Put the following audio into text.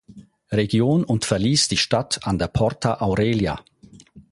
Region und verließ die Stadt an der Porta Aurelia.